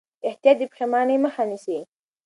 احتیاط د پښېمانۍ مخه نیسي.